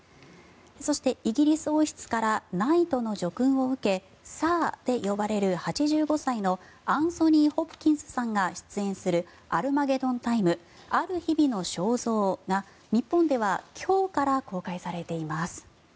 そして、イギリス王室からナイトの叙勲を受けサーで呼ばれる、８５歳のアンソニー・ホプキンスさんが出演する「アルマゲドン・タイムある日々の肖像」が日本では今日から公開されています。